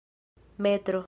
metro